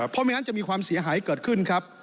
เพราะไม่งั้นจะมีความเสียหายเกิดขึ้นครับ